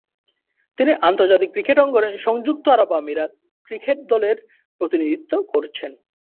তিনি আন্তর্জাতিক ক্রিকেট অঙ্গনে সংযুক্ত আরব আমিরাত ক্রিকেট দলের প্রতিনিধিত্ব করছেন।